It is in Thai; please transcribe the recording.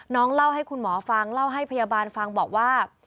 เล่าให้คุณหมอฟังเล่าให้พยาบาลฟังบอกว่า